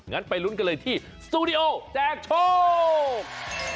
งั้นไปลุ้นกันเลยที่สตูดิโอแจกโชค